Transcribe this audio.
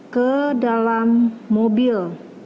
ke dalam mobil